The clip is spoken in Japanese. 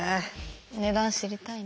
値段知りたいな。